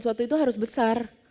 suatu itu harus besar